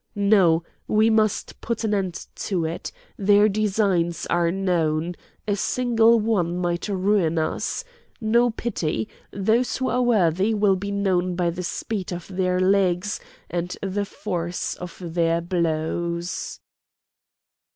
"No! we must put an end to it! their designs are known! a single one might ruin us! no pity! Those who are worthy will be known by the speed of their legs and the force of their blows."